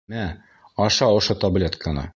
Мә, аша ошо таблетканы.